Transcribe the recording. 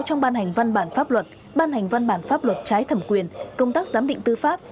trong ban hành văn bản pháp luật ban hành văn bản pháp luật trái thẩm quyền công tác giám định tư pháp